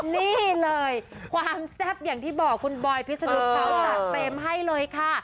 นี่เลยความแซ่บอย่างที่บอกคุณบอยพิษนุเขาจัดเต็มให้เลยค่ะ